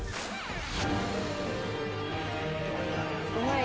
・うまいね。